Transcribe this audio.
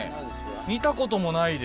見たこともないです